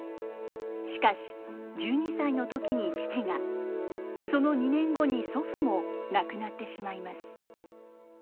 しかし１２歳の時に父がその２年後に祖父も亡くなってしまいます。